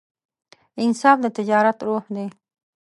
انصاف د تجارت روح دی.